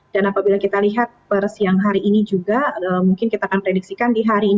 dan apabila kita lihat persiang hari ini juga mungkin kita akan prediksikan di hari ini